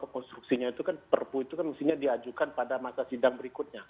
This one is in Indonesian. konstruksinya itu kan perpu itu kan mestinya diajukan pada masa sidang berikutnya